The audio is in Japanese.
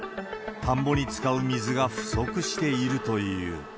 田んぼに使う水が不足しているという。